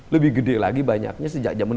lebih gede lagi banyaknya sejak zaman